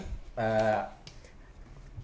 tinggal kita buka video ya